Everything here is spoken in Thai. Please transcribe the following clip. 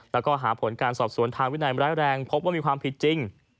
แล้วก็หาผลการสอบสวนทางวินัยร้ายแรงพบว่ามีความผิดจริง